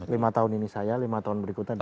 lima tahun ini saya lima tahun berikutnya